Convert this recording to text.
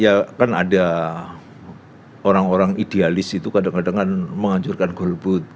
ya kan ada orang orang idealis itu kadang kadang kan menghancurkan golput